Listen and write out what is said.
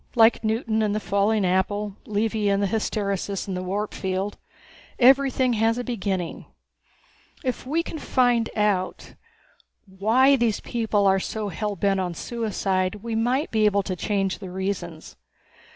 Like Newton and the falling apple, Levy and the hysteresis in the warp field. Everything has a beginning. If we can find out why these people are so hell bent on suicide we might be able to change the reasons.